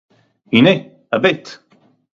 הנה, הבט!